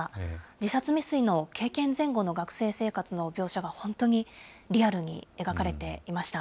自殺未遂の経験前後の学生生活の描写が、本当にリアルに描かれていました。